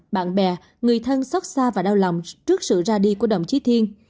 bạn bè người thân xót xa và đau lòng trước sự ra đi của đồng chí thiên